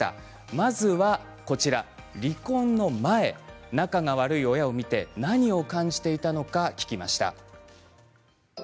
まずは離婚の前仲が悪い親を見て何を感じていたのか聞きました。